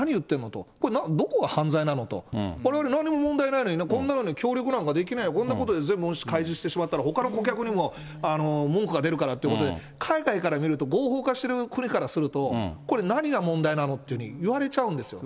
と、これ、どこが犯罪なの？と、われわれ何も問題ないのに、こんなのに協力できないよ、こんなことで全部開示してしまったら、ほかの顧客にも文句が出るからっていうことで、海外から見ると、合法化してる国からすると、これ、何か問題なの？っていうふうに言われちゃうんですよ。